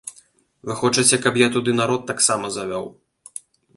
Вы хочаце, каб я туды народ таксама завёў.